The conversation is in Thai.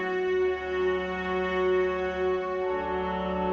รับการเรียนการสอนจากโรงเรียนวังไกลกังวล